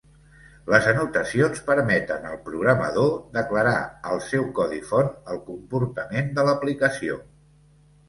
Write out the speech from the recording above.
Les anotacions permeten al programador declarar al seu codi font el comportament de l'aplicació.